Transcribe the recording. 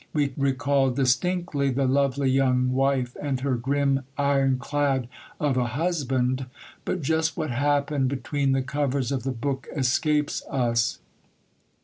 We recall distinctly the lovely young wife and her grim ironclad of a husband, but just what happened between the covers of the book escapes us.